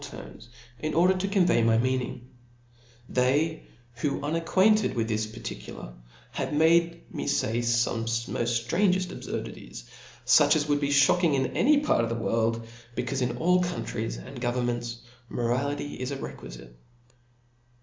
terms, in order to convey my meanings They^who are jinacquciintid with this particular, have made me fay mofl grange abfurdities, fuch as would be flocking in any fart of the world, hecaufe in all countries and governments morality is. requijite.